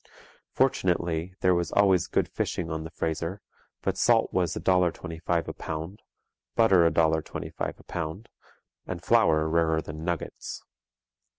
Fortunately, there was always good fishing on the Fraser; but salt was a dollar twenty five a pound, butter a dollar twenty five a pound, and flour rarer than nuggets.